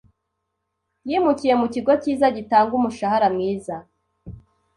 Yimukiye mu kigo cyiza gitanga umushahara mwiza.